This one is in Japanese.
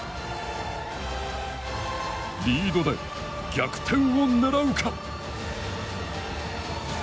リードで逆転を狙うか。